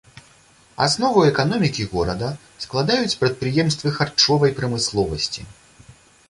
Аснову эканомікі горада складаюць прадпрыемствы харчовай прамысловасці.